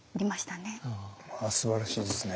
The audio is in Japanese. すばらしいですね